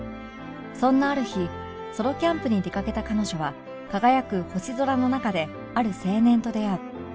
そんなある日ソロキャンプに出掛けた彼女は輝く星空の中である青年と出会う